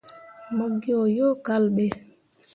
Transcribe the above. Mo ge o yo kal ɓe.